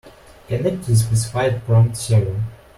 Connect to the specified prompt server.